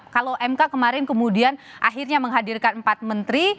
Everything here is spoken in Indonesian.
kalau mk kemarin kemudian akhirnya menghadirkan empat menteri